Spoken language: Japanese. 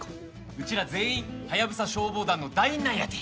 うちら全員ハヤブサ消防団の団員なんやて。